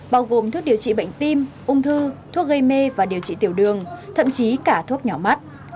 bao gồm thuốc điều trị bệnh tim ung thư thuốc gây mê và điều trị tiểu đường thậm chí cả thuốc nhỏ mắt